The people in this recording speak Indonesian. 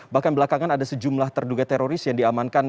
bahkan belakangan ada sejumlah terduga teroris yang diamankan